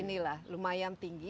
inilah lumayan tinggi